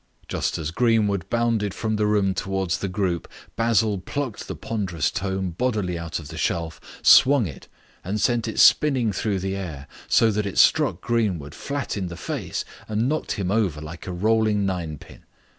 Just as Greenwood bounded across the room towards the group, Basil plucked the ponderous tome bodily out of the shelf, swung it, and sent it spinning through the air, so that it struck Greenwood flat in the face and knocked him over like a rolling ninepin.